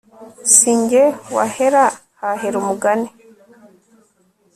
sijye wahera hahera umugani